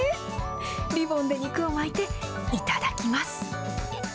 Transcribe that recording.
リボンで肉を巻いて頂きます。